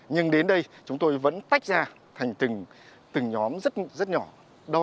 nhưng đến đây chúng tôi vẫn tách ra thành từng nhóm rất rất nhỏ